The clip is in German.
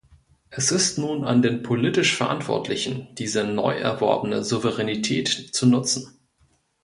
Es ist nun an den politisch Verantwortlichen, diese neuerworbene Souveränität zu nutzen.